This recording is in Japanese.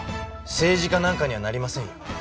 政治家なんかにはなりません。